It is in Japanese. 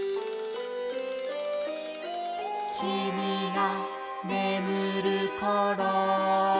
「きみがねむるころ」